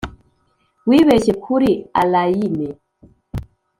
wibeshye kuri allayne?